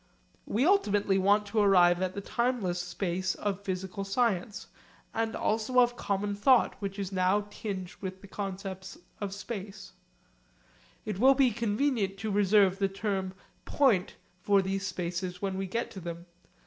We ultimately want to arrive at the timeless space of physical science, and also of common thought which is now tinged with the concepts of science. It will be convenient to reserve the term 'point' for these spaces when we get to them.